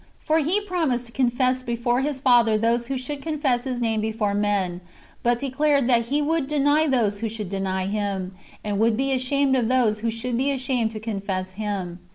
For He promised to confess before His Father those who should confess His name before men ; but declared that He would deny those who should deny Him, and would be ashamed of those who should be ashamed to confess Him.